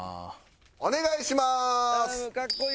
お願いします！